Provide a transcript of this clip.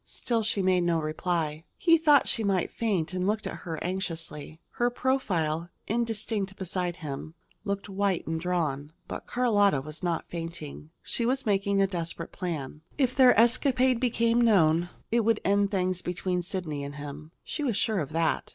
Still she made no reply. He thought she might faint, and looked at her anxiously. Her profile, indistinct beside him, looked white and drawn. But Carlotta was not fainting. She was making a desperate plan. If their escapade became known, it would end things between Sidney and him. She was sure of that.